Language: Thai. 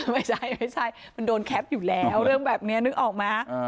ไม่ใช่มันโดนแคปป์อยู่แล้วเรื่องแบบนี้นึกออกมั้ย